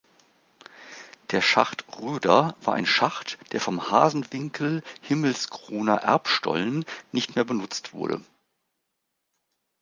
Der Schacht Roeder war ein Schacht, der vom Hasenwinkel-Himmelscroner Erbstolln nicht mehr benutzt wurde.